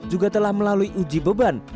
juga telah melalui uji beban